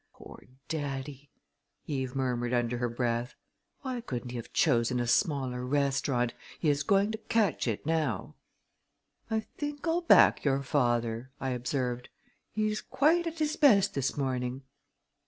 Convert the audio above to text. "Poor daddy!" Eve murmured under her breath. "Why couldn't he have chosen a smaller restaurant. He is going to catch it now!" "I think I'll back your father," I observed. "He is quite at his best this morning."